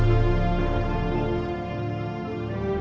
ที่สุดท้ายที่สุดท้าย